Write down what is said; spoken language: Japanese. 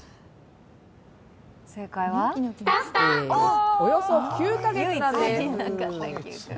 正解は、およそ９か月なんです。